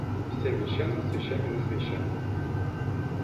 Всем мещанам с вещами на совещание